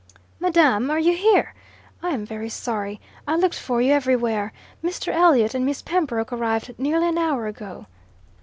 "Madam! Are you here? I am very sorry. I looked for you everywhere. Mr. Elliot and Miss Pembroke arrived nearly an hour ago."